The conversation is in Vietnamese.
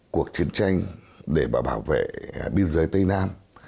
cuộc chiến tranh để bảo bảo vệ biên giới tây nam